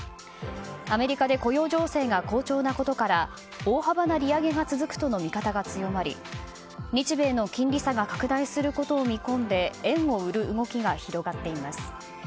アメリカで雇用情勢が好調なことから大幅な利上げが続くとの見方が強まり日米の金利差が拡大することを見込んで円を売る動きが広がっています。